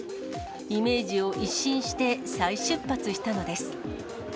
イメージを一新して、再出発したのです。